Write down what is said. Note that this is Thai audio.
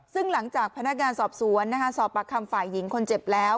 ซึ่งหลังจากพนักงานสอบสวนสอบปากคำฝ่ายหญิงคนเจ็บแล้ว